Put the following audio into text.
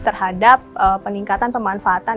terhadap peningkatan pemanfaatan